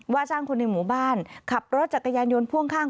ว่าจ้างคนในหมู่บ้านขับรถจักรยานยนต์พ่วงข้าง